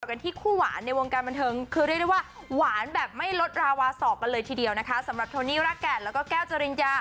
กันที่คู่หวานในวงการบันเทิงคือเรียกได้ว่าหวานแบบไม่ลดราวาสอกกันเลยทีเดียวนะคะสำหรับโทนี่รากแก่นแล้วก็แก้วจริญญา